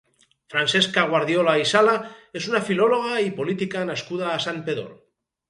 Francesca Guardiola i Sala és una filòloga i política nascuda a Santpedor.